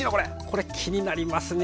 これ気になりますね。